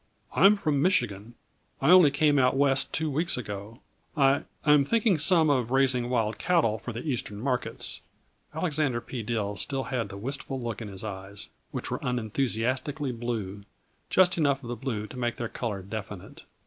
I am from Michigan. I only came out West two weeks ago. I I'm thinking some of raising wild cattle for the Eastern markets." Alexander P. Dill still had the wistful look in his eyes, which were unenthusiastically blue just enough of the blue to make their color definite.